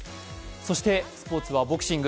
そしてスポーツはボクシング。